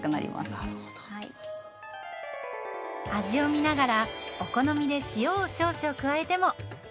味を見ながらお好みで塩を少々加えても。